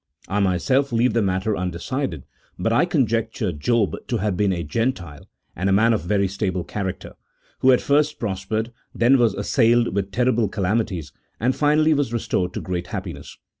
I myself leave the matter undecided, but I conjecture Job to have been a Gentile, and a man of very stable character, who at first prospered, then was as sailed with terrible calamities, and finally was restored to great happiness.